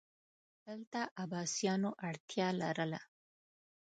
دلته عباسیانو اړتیا لرله